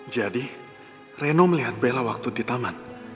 jadi reno melihat bella waktu di taman